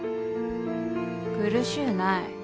苦しうない。